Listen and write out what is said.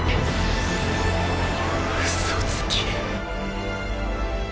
嘘つき。